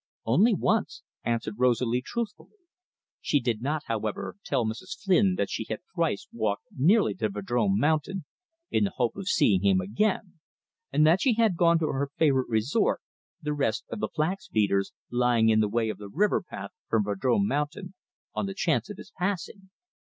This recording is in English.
"Only once;" answered Rosalie truthfully. She did not, however, tell Mrs. Flynn that she had thrice walked nearly to Vadrome Mountain in the hope of seeing him again; and that she had gone to her favourite resort, the Rest of the Flax Beaters, lying in the way of the riverpath from Vadrome Mountain, on the chance of his passing.